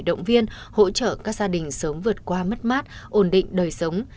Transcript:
động viên hỗ trợ các gia đình sớm vượt qua mất mát ổn định đời sống